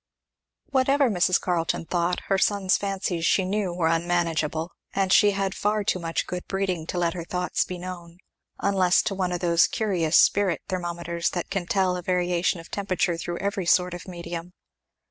Whatever Mrs. Carleton thought, her son's fancies she knew were unmanageable; and she had far too much good breeding to let her thoughts be known; unless to one of those curious spirit thermometers that can tell a variation of temperature through every sort of medium.